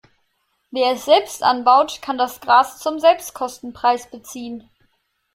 Wer es selbst anbaut, kann das Gras zum Selbstkostenpreis beziehen.